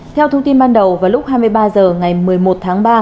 theo thông tin ban đầu vào lúc hai mươi ba h ngày một mươi một tháng ba